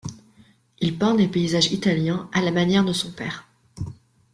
Il peint des paysages italiens à la manière de son père.